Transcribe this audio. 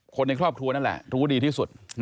คนในครอบครัวนั่นแหละรู้ดีที่สุด